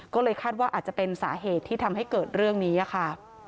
ก็เลยคาดว่าอาจจะเป็นสาเหตุที่ทำให้เกิดเรื่องนี้ค่ะ